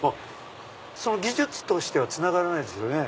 技術としてはつながらないですよね。